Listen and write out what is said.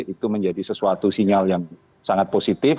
itu menjadi sesuatu sinyal yang sangat positif